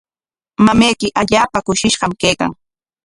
Mamayki allaapa kushishqam kaykan.